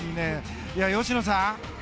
吉野さん